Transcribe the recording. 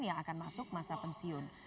yang akan masuk masa pensiun